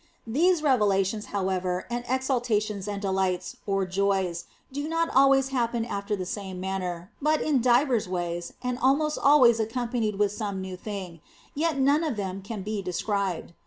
These revelations, however, and exaltations and delights, or joys, do not always happen after the same manner, but in divers ways and almost always accompanied with some new thing ; yet none of them can be described.